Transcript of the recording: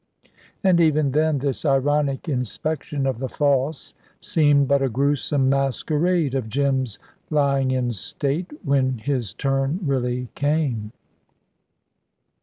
And even then this ironic inspection of the false seemed but a gruesome masquerade of Jim's lying in state, when his turn really came.